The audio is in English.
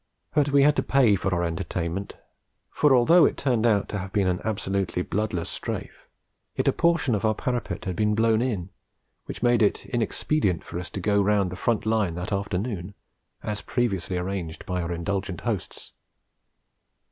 But we had to pay for our entertainment; for although it turned out to have been an absolutely bloodless Strafe, yet a portion of our parapet had been blown in, which made it inexpedient for us to go round the front line that afternoon, as previously arranged by our indulgent hosts.